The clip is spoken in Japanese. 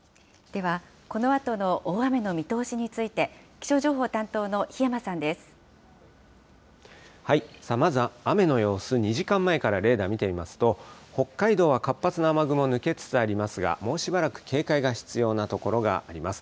では、このあとの大雨の見通しについて、まずは雨の様子、２時間前から、レーダー見てみますと、北海道は活発な雨雲、抜けつつありますが、もうしばらく警戒が必要な所があります。